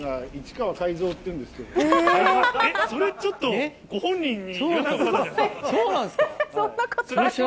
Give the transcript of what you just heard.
それちょっとご本人に。